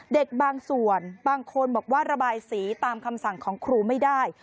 บางส่วนบางคนบอกว่าระบายสีตามคำสั่งของครูไม่ได้